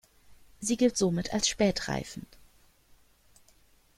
Sie gilt somit als spät reifend.